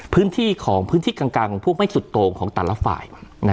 พื้นที่ของพื้นที่กลางของพวกไม่สุดโตรงของแต่ละฝ่าย